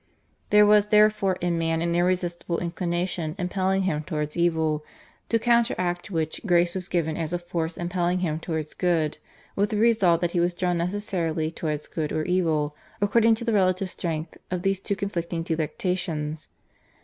There was therefore in man an irresistible inclination impelling him towards evil, to counteract which Grace was given as a force impelling him towards good, with the result that he was drawn necessarily towards good or evil according to the relative strength of these two conflicting delectations.